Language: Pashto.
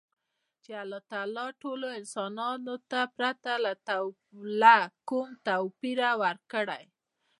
چـې اللـه تعـالا ټـولـو انسـانـانـو تـه ،پـرتـه لـه کـوم تـوپـيره ورکـړى.